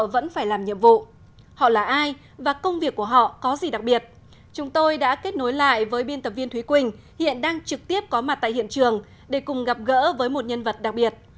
cảm ơn các bạn đã kết nối lại với biên tập viên thúy quỳnh hiện đang trực tiếp có mặt tại hiện trường để cùng gặp gỡ với một nhân vật đặc biệt